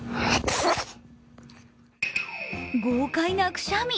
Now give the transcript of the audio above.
それが豪快なくしゃみ。